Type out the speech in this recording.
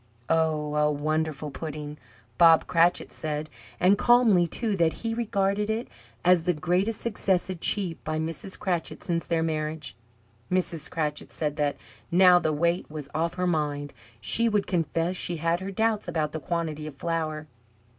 Oh, a wonderful pudding! Bob Cratchit said, and calmly, too, that he regarded it as the greatest success achieved by Mrs. Cratchit since their marriage. Mrs. Cratchit said that, now the weight was off her mind, she would confess she had her doubts about the quantity of flour.